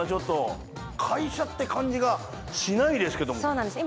そうなんです。